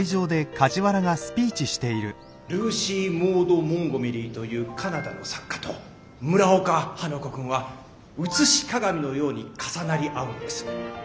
ルーシー・モード・モンゴメリというカナダの作家と村岡花子君は映し鏡のように重なり合うのです。